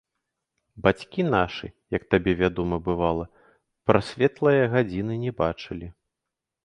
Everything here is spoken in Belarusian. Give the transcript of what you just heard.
Бацькі нашы, як табе вядома, бывала, прасветлае гадзіны не бачылі.